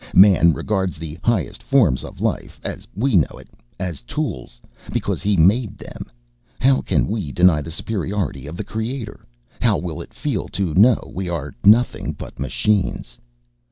Man regards the highest forms of life (as we know it) as tools because he made them. How can we deny the superiority of the Creator? How will it feel to know we are nothing but machines?